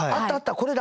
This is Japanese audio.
これだ。